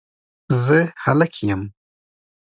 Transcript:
زه هلک یم